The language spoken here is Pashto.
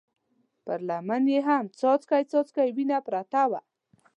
پر لمن يې هم څاڅکی څاڅکی وينه پرته وه.